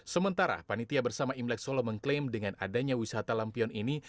sementara panitia bersama imlek solo mengklaim dengan adanya wisata lampion ini